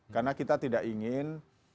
karena kita tidak ingin